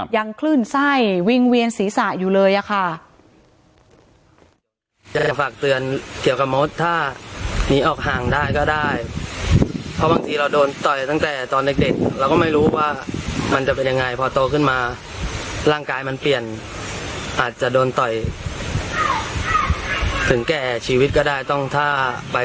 ยังคลื่นไส้วิ่งเวียนศีรษะอยู่เลยอะค่ะ